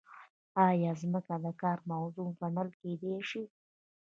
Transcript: ایا ځمکه د کار موضوع ګڼل کیدای شي؟